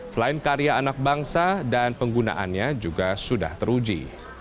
selain karya anak bangsa dan penggunaannya juga sudah teruji